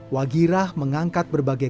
wagirah mengangkat berbagai